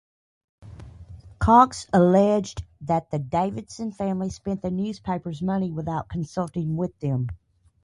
Cox alleged that the Davidson family spent the newspaper's money without consulting with them.